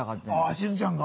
しずちゃんが？